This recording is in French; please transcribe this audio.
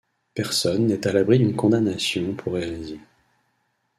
Personne n'est à l'abri d'une condamnation pour hérésie.